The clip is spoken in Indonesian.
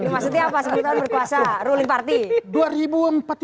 ini maksudnya apa sebetulnya berkuasa ruling party